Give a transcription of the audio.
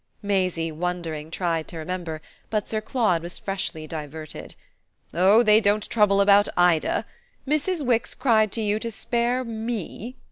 Maisie, wondering, tried to remember; but Sir Claude was freshly diverted. "Oh they don't trouble about Ida! Mrs. Wix cried to you to spare ME?"